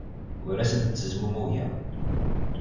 Ur asent-ttezmumugeɣ.